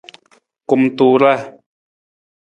Kumtuuraa.